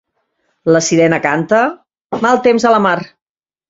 La sirena canta? Mal temps a la mar.